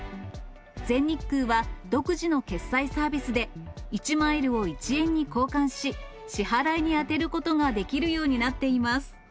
全日空は、独自の決済サービスで、１マイルを１円に交換し、支払いに充てることができるようになっています。